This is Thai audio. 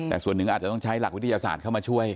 แต่ส่วนหนึ่งอาจจะต้องใช้หลักวิทยาศาสตร์เข้ามาช่วย